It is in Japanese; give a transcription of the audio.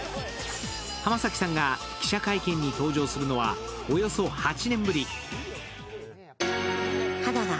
浜崎さんが記者会見に登場するのはおよそ８年ぶり。